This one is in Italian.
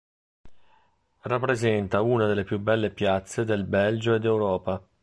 Rappresenta una delle più belle piazze del Belgio e d'Europa.